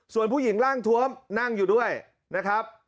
ส่วนผู้หญิงร่างทวมนั่งอยู่ด้วยนะครับ